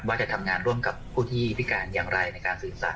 ว่าจะทำงานร่วมกับผู้ที่พิการอย่างไรในการสื่อสาร